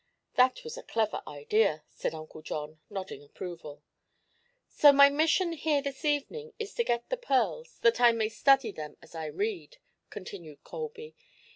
"That was a clever idea," said Uncle John, nodding approval. "So my mission here this evening is to get the pearls, that I may study them as I read," continued Colby.